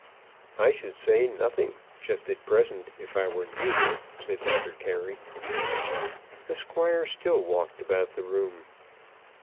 "I should say nothing, just at present, if I were you," said Mr. Carey. The Squire still walked about the room.